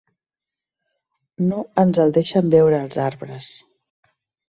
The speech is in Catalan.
No ens el deixen veure els arbres.